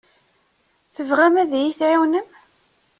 Tebɣam ad iyi-tɛiwnem?